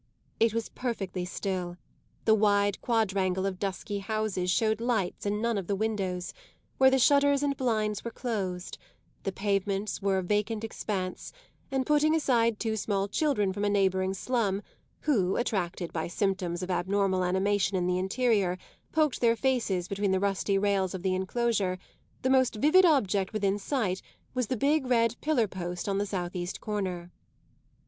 It was perfectly still; the wide quadrangle of dusky houses showed lights in none of the windows, where the shutters and blinds were closed; the pavements were a vacant expanse, and, putting aside two small children from a neighbouring slum, who, attracted by symptoms of abnormal animation in the interior, poked their faces between the rusty rails of the enclosure, the most vivid object within sight was the big red pillar post on the southeast corner.